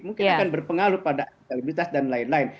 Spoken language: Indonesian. mungkin akan berpengaruh pada elektabilitas dan lain lain